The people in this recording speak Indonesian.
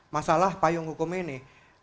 masalah payung hukum ini